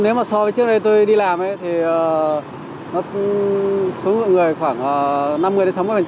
nếu mà so với trước đây tôi đi làm thì số người khoảng năm mươi sáu mươi đã quay trở lại làm việc